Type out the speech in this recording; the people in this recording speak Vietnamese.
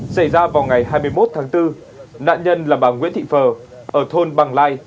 xảy ra vào ngày hai mươi một tháng bốn nạn nhân là bà nguyễn thị phở ở thôn bằng lai